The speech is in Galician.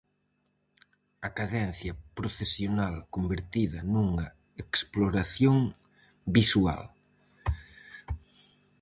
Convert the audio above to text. A cadencia procesional convertida nunha exploración visual.